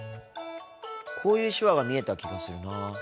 こういう手話が見えた気がするなぁ。